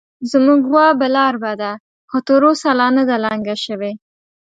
زموږ غوا برالبه ده، خو تر اوسه لا نه ده لنګه شوې